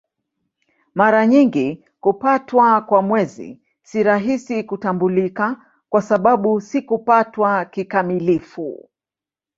Mara nyingi kupatwa kwa Mwezi si rahisi kutambulika kwa sababu si kupatwa kikamilifu.